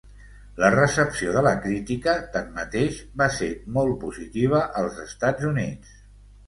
La recepció de la crítica, tanmateix, va ser molt positiva als Estats Units.